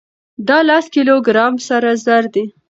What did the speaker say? دا لس کيلو ګرامه سره زر دي.